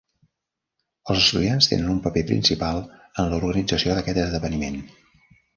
Els estudiants tenen un paper principal en l'organització d'aquest esdeveniment.